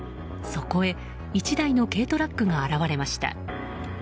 そこへ１台の軽トラックが現われました。